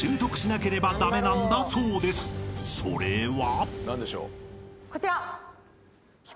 ［それは］